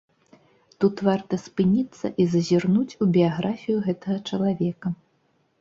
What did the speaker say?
Тут варта спыніцца і зазірнуць у біяграфію гэтага чалавека.